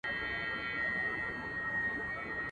سپوږمۍ د خدای روی مي دروړی.